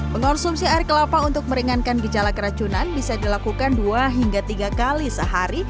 mengonsumsi air kelapa untuk meringankan gejala keracunan bisa dilakukan dua hingga tiga kali sehari